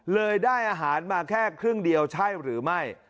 เลยได้อาหารมาแค่ครึ่งเดียวใช่หรือไม่